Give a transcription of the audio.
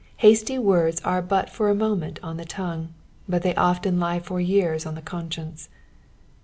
Haaty words are but for a moment on the tongue, but they often lie for years on the conscience.